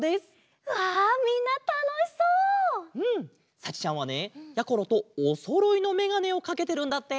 さちちゃんはねやころとおそろいのめがねをかけてるんだって！